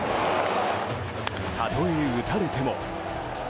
たとえ打たれても。